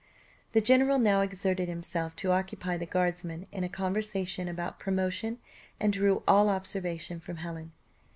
The general now exerted himself to occupy the guardsman in a conversation about promotion, and drew all observation from Helen.